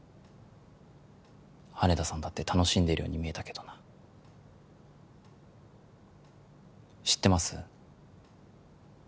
羽田さんだって楽しんでるように見えたけどな知ってます？